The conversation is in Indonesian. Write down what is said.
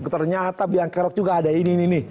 ternyata biang kerok juga ada ini ini